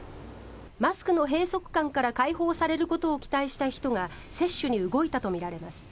マスクの閉塞感から解放されることを期待した人が接種に動いたとみられます。